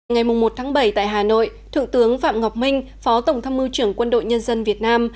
ngày một bảy tại hà nội thượng tướng phạm ngọc minh phó tổng tham mưu trưởng quân đội nhân dân việt nam